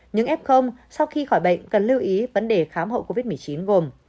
những f sau khi khỏi bệnh cần lưu ý vấn đề khám hậu covid một mươi chín gồm